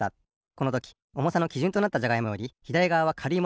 このときおもさのきじゅんとなったじゃがいもよりひだりがわはかるい